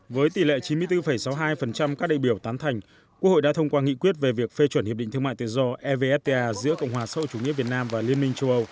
với tỷ lệ chín mươi bốn sáu mươi hai các đại biểu tán thành quốc hội đã thông qua nghị quyết về việc phê chuẩn hiệp định thương mại tự do evfta giữa cộng hòa xã hội chủ nghĩa việt nam và liên minh châu âu